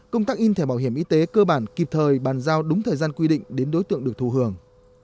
công tác in thẻ bảo hiểm y tế cơ bản kịp thời bàn giao đúng thời gian quy định đến đối tượng được thù hưởng